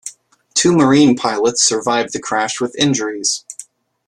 Two Marine pilots survived the crash with injuries.